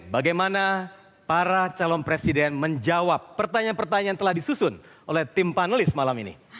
bagaimana para calon presiden menjawab pertanyaan pertanyaan telah disusun oleh tim panelis malam ini